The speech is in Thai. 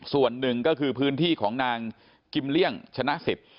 ส่วนหนึ่งก็คือพื้นที่ของนางกิมเลี่ยงชนะสิทธิ